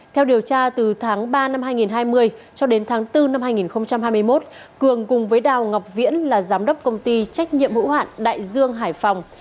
theo điều tra từ tháng ba năm hai nghìn hai mươi cho đến tháng bốn năm hai nghìn hai mươi một cường cùng với đào ngọc viễn là giám đốc công ty trách nhiệm hữu hạn đại dương hải phòng